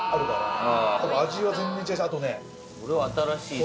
これは新しいな。